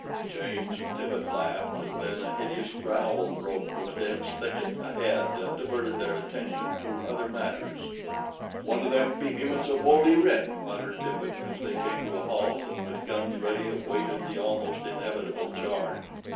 James and Tippet laughed, and then a hideous growl broke from a dense thicket ahead and diverted their attention to other matters. "One of them behemoths of 'Oly Writ," muttered Tippet as they came to a halt and with guns ready awaited the almost inevitable charge.